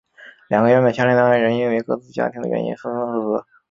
两个原本相恋的爱人因为各自家庭的原因分分合合。